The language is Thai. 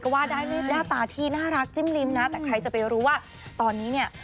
ว่าได้ด้วยหน้าตาที่น่ารักจิ้มลิ้มนะแต่ใครจะไปรู้ว่าตอนนี้เนี่ย